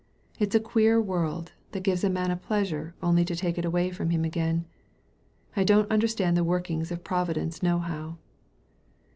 It's a queer world, that gives a man a pleasure only to take it away from him again. I don't understand the workings of Providence nohow."